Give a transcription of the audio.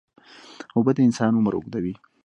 اوبه د انسان عمر اوږدوي.